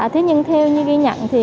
thế nhưng theo như ghi nhận